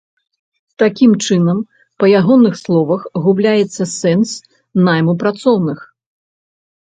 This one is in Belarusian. Такім чынам, па ягоных словах, губляецца сэнс найму працоўных.